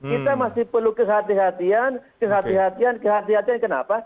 kita masih perlu kehati hatian kehati hatian kehati hatian kenapa